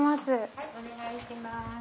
はいお願いします。